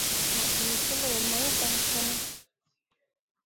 Mo ɗǝǝ soulei mai dan kǝne.